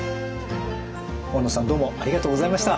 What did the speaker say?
大野さんどうもありがとうございました。